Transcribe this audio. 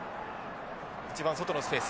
一番外のスペース。